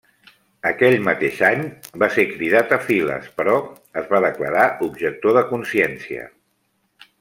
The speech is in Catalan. Aquell mateix any, va ser cridat a files però es va declarar objector de consciència.